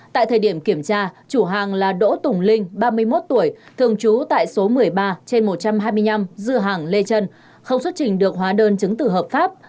tại thời điểm kiểm tra chủ hàng là đỗ tùng linh ba mươi một tuổi thường trú tại số một mươi ba trên một trăm hai mươi năm dưa hàng lê trân không xuất trình được hóa đơn chứng tử hợp pháp